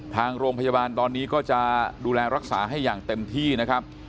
ทางโรงพยาบาลตอนนี้ก็จะดูแลรักษาให้อย่างเต็มที่นะครับ